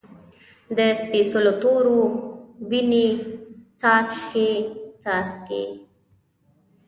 د سپیڅلو تورو، وینې څاڅکي، څاڅکي